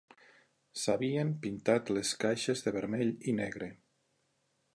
S'havien pintat les caixes de vermell i negre.